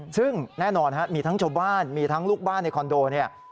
ซึ่งแน่นอนมีทั้งชาวบ้านมีทั้งลูกบ้านในคอนโดเนี่ย